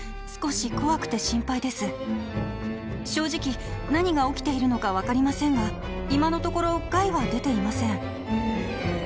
「正直何が起きているのか分かりませんが今のところ害は出ていません」